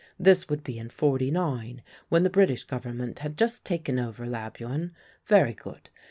This would be in 'forty nine, when the British Government had just taken over Labuan. Very good.